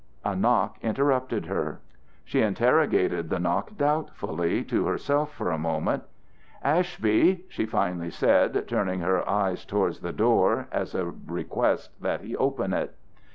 A knock interrupted her. She interrogated the knock doubtfully to herself for a moment. "Ashby," she finally said, turning her eyes toward the door, as a request that he open it.